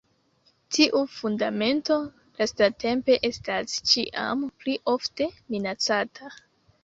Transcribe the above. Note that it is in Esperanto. Tiu fundamento lastatempe estas ĉiam pli ofte minacata.